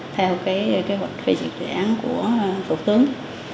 theo kế hoạch triển khai thực hiện đề án của thủ tướng